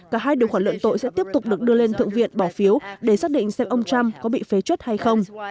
cả hai điều khoản luận tội sẽ tiếp tục được đưa lên thượng viện bỏ phiếu để xác định xem ông trump có bị phế chất hay không